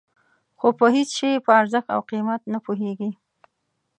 خو په هېڅ شي په ارزښت او قیمت نه پوهېږي.